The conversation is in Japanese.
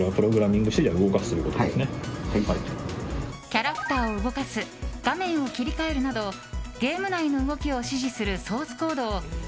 キャラクターを動かす画面を切り替えるなどゲーム内の動きを指示するソースコードを